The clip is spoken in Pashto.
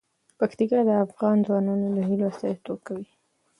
پکتیکا د افغان ځوانانو د هیلو استازیتوب کوي.